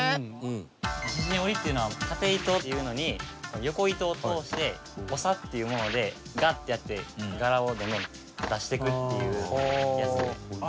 西陣織っていうのは縦糸っていうのに横糸を通して筬っていうものでガッてやって柄をどんどん出していくっていうやつで。